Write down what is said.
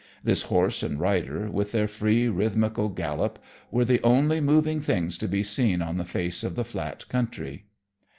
This horse and rider, with their free, rhythmical gallop, were the only moving things to be seen on the face of the flat country.